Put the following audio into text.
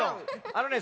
あのね